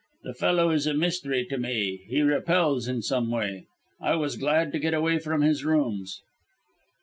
The fellow is a mystery to me; he repels, in some way. I was glad to get away from his rooms."